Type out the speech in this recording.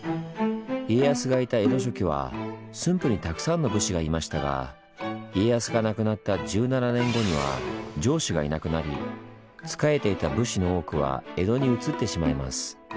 家康がいた江戸初期は駿府にたくさんの武士がいましたが家康が亡くなった１７年後には城主がいなくなり仕えていた武士の多くは江戸に移ってしまいます。